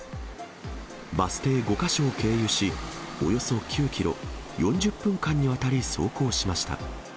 バス停５か所を経由し、およそ９キロ、４０分間にわたり走行しました。